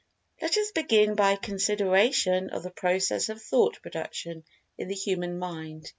Let us begin by a consideration of the process of Thought production in the Human Mind.